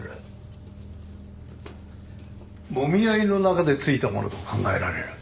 もみ合いの中でついたものと考えられる。